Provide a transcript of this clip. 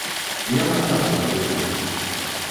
Няма часу на дурноты.